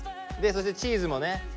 そしてチーズもね。